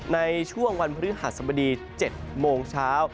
ในช่วงวันพฤหัสบดี๗โมงเช้า